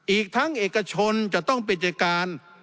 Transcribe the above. อีกทั้งเอกชนจะต้องเป็นจัดการ